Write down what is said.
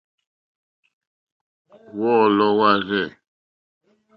Wɔ́ɔ́lɔ̀ wâ rzɛ̂.